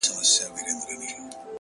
زه ستا په ځان كي يم ماته پيدا كړه؛